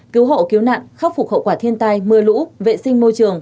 cứu hộ cứu nạn khắc phục hậu quả thiên tai mưa lũ vệ sinh môi trường